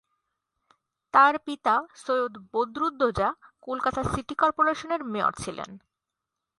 তার পিতা সৈয়দ বদরুদ্দোজা কলকাতা সিটি কর্পোরেশনের মেয়র ছিলেন।